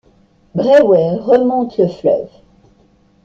Brewer remonte le fleuve.